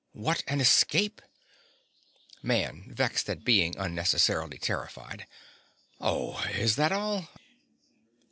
What an escape! MAN. (vexed at being unnecessarily terrified). Oh, is that all?